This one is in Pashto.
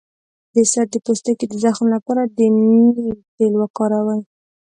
د سر د پوستکي د زخم لپاره د نیم تېل وکاروئ